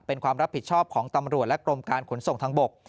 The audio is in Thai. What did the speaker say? เป็นความรับผิดชอบของตำรวจและกรมการขนส่งทางบก